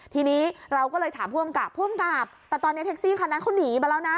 ทีนี้เราก็เลยถามผู้อำกับผู้อำกับแต่ตอนนี้แท็กซี่คันนั้นเขาหนีมาแล้วนะ